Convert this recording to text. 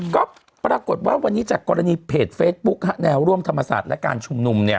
ก็ปรากฏว่าวันนี้จากกรณีเพจเฟซบุ๊กแนวร่วมธรรมศาสตร์และการชุมนุมเนี่ย